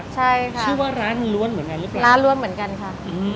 ใช่ค่ะชื่อว่าร้านล้วนเหมือนกันหรือเปล่าร้านล้วนเหมือนกันค่ะ